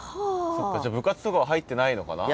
じゃあ部活とかは入ってないのかな？